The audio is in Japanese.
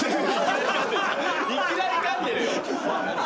・いきなりかんでるよ。